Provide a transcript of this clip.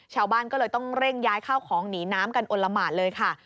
ชาวบ้านก็เลยต้องเร่งย้ายข้าวของหนีน้ำกันอลละหมาดเลยค่ะ